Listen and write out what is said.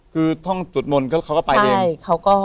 คือท่องจุดมนต์เขาก็ไปเอง